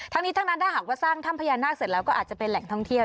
ทั้งนี้ทั้งนั้นถ้าหากว่าสร้างถ้ำพญานาคเสร็จแล้วก็อาจจะเป็นแหล่งท่องเที่ยว